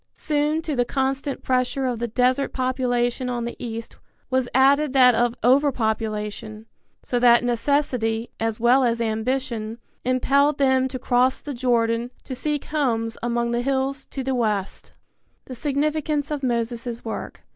Soon to the constant pressure of the desert population on the east was added that of over population, so that necessity, as well as ambition, impelled them to cross the Jordan to seek homes among the hills to the west. V. THE SIGNIFICANCE OF MOSES' WORK.